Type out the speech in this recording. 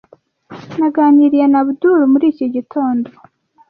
Naganiriye na Abdul muri iki gitondo.